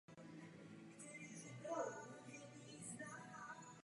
Po škole se Symmonds přidal do klubu Oregon Track Club Elite.